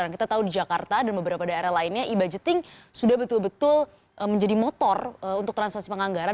karena kita tahu di jakarta dan beberapa daerah lainnya e budgeting sudah betul betul menjadi motor untuk transparansi penganggaran